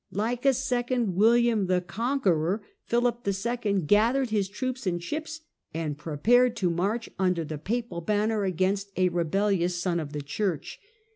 Like a second William the Conqueror Philip II. gathered his troops and ships and prepared to march under the papal banner against a rebellious son of the Church.